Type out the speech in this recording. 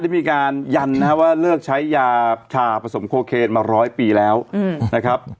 ได้มีการยันนะครับว่าเลิกใช้ยาชาผสมโคเคนมาร้อยปีแล้วนะครับ